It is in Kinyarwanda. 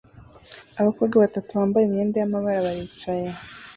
Abakobwa batatu bambaye imyenda y'amabara baricaye